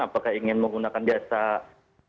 apakah ingin menggunakan jasa